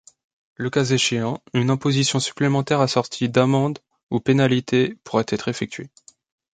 Le cas échéant, une imposition supplémentaire assortie d’amendes ou pénalités pourra être effectuée.